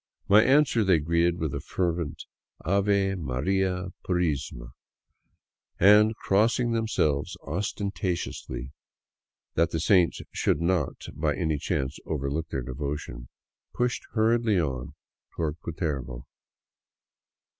My answer they greeted with a fervent " Ave Maria Purisima !" and, crossing themselves ostentatiously, that the saints should not by any chance overlook their devotion, pushed hurriedly on toward Cu tervo.